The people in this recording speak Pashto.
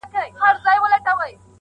او د شعر چوکاټ ته یې ور اچوي